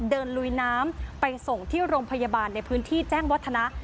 ลุยน้ำไปส่งที่โรงพยาบาลในพื้นที่แจ้งวัฒนะ